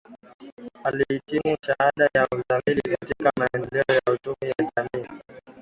Alihitimu shahada ya uzamili katika maendeleo ya uchumi ya jamii